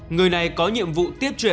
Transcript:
người này có nhiệm vụ tiếp truyện